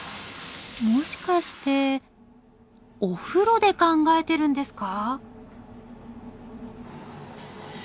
もしかしてお風呂で考えてるんですか